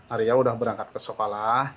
arya sudah berangkat ke sekolah